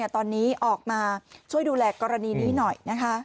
ตอนนี้ออกมาช่วยดูแลกรณีนี้หน่อย